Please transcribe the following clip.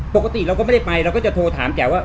ปกติเราก็ไม่ได้ไปเราก็จะโทรถามแกว่า